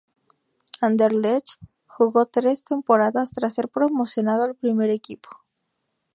Anderlecht, donde jugó tres temporadas tras ser promocionado al primer equipo.